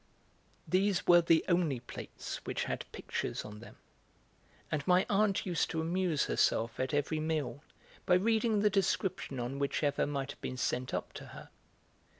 These were the only plates which had pictures on them and my aunt used to amuse herself at every meal by reading the description on whichever might have been sent up to her.